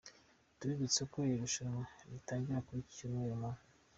Tubibutse ko iri rushanwa ritangira kuri iki cyumweru mu.